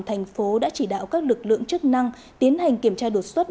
thành phố đã chỉ đạo các lực lượng chức năng tiến hành kiểm tra đột xuất